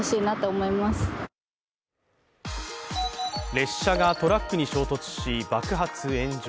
列車がトラックに衝突し、爆発・炎上。